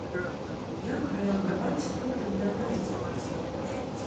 Як рэагаваць потым на гэта?